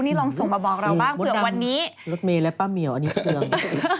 นี่ลองส่งมาบอกเราบ้างเผื่อวันนี้รถเมย์และป้าเหมียวอันนี้เครื่อง